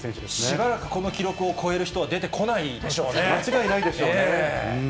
しばらくこの記録を超える人間違いないでしょうね。